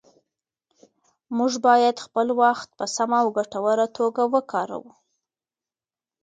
موږ باید خپل وخت په سمه او ګټوره توګه وکاروو